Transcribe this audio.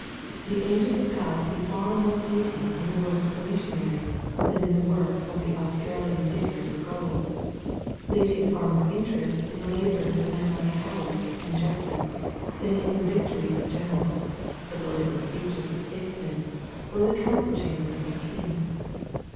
The angels of Grod see far more beauty in the work of the Missionary, than in the work of the Australian digger for gold. They take far more interest in the labors of men like Howard and Judson, than in the victories of generals, the political speeches of statesmen, or the council chambers of kings.